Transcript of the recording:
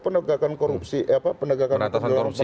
penegakan korupsi eh apa penegakan korupsi